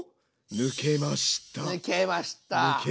抜けました。